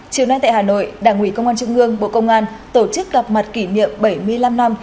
chiều nay tại hà nội đảng ủy công an trung ương bộ công an tổ chức gặp mặt kỷ niệm bảy mươi năm năm